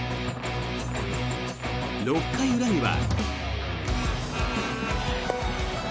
６回裏には。